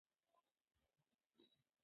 که نښه وولو نو تمرکز نه خرابیږي.